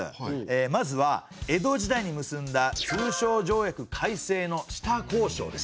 まずは江戸時代に結んだ通商条約改正の下交渉です。